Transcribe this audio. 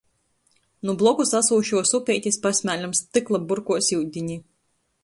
Nu blokus asūšuos upeitis pasmēlem stykla burkuos iudini.